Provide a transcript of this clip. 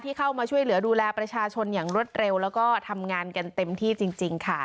เข้ามาช่วยเหลือดูแลประชาชนอย่างรวดเร็วแล้วก็ทำงานกันเต็มที่จริงค่ะ